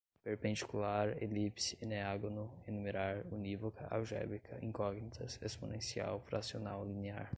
perpendicular, elipse, eneágono, enumerar, unívoca, algébrica, incógnitas, exponencial, fracional, linear